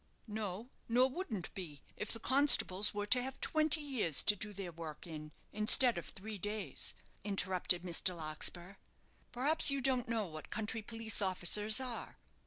"No; nor wouldn't be, if the constables were to have twenty years to do their work in, instead of three days," interrupted Mr. Larkspur. "Perhaps you don't know what country police officers are?